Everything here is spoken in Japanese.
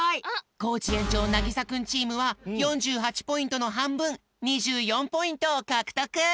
コージ園長なぎさくんチームは４８ポイントのはんぶん２４ポイントをかくとく！